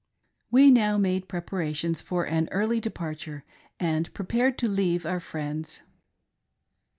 We now made preparations for an early departure, and pre pared to leave our friends.